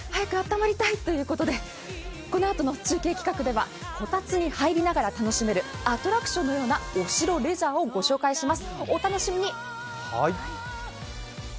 早くあったまりたいということでこのあとの中継企画ではこたつに入りながら楽しめるアトラクションのようなお城レジャーをご紹介します。